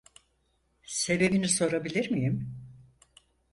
Sebebini sorabilir miyim?